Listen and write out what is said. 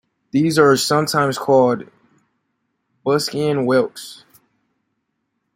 These are sometimes called "Busycon whelks".